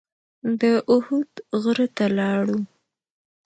د احد غره ته لاړو.